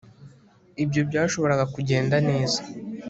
Ibyo byashoboraga kugenda neza